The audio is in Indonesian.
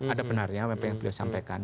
ada benarnya apa yang beliau sampaikan